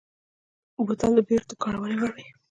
بوتل د بېرته کارونې وړ وي.